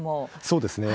そうですね。